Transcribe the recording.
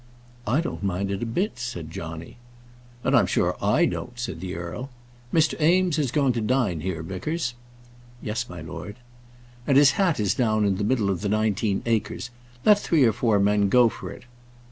"I don't mind it a bit," said Johnny. "And I'm sure I don't," said the earl. "Mr. Eames is going to dine here, Vickers." "Yes, my lord." "And his hat is down in the middle of the nineteen acres. Let three or four men go for it."